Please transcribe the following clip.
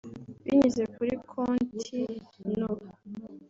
binyuze kuri Konti no